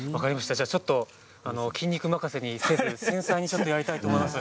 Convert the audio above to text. じゃあ、ちょっと筋肉任せにせず繊細にやりたいと思います。